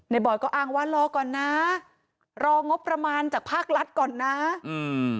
บอยก็อ้างว่ารอก่อนนะรองบประมาณจากภาครัฐก่อนนะอืม